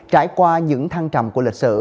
trải qua những thăng trầm của lịch sử